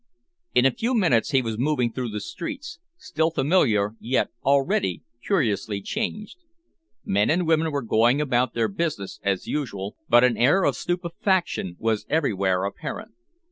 In a few minutes he was moving through the streets, still familiar yet already curiously changed. Men and women were going about their business as usual, but an air of stupefaction was everywhere apparent.